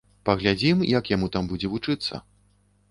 Паглядзім, як яму там будзе вучыцца.